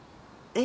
え？